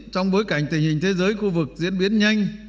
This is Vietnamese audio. trong bối cảnh tình hình thế giới khu vực diễn biến nhanh